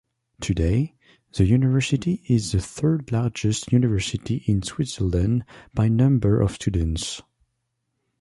Today, the university is the third largest university in Switzerland by number of students.